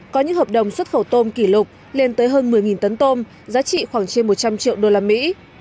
có những hợp đồng xuất khẩu tôm kỷ lục lên tới hơn một mươi tấn tôm giá trị khoảng trên một trăm linh triệu đô la mỹ